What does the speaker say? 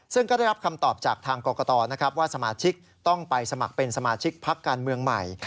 ซึ่งก็ได้รับคำตอบจากทางกรกตนะครับว่าสมาชิกต้องไปสมัครเป็นสมาชิกพักการเมืองใหม่